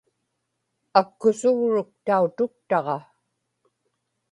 akkusugruk tautuktaġa